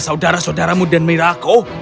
saudara saudaramu dan mirako